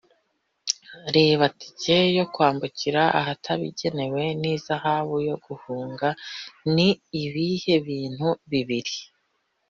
reb itike ryo kwambukira ahatabigenewe n ihazabu yo guhunga ni ibihe bintu bibiri